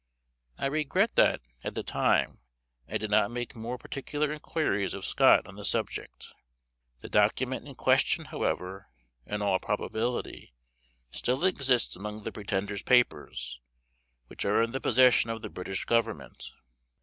I regret that, at the time, I did not make more particular inquiries of Scott on the subject; the document in question, however, in all probability, still exists among the Pretender's papers, which are in the possession of the British Government.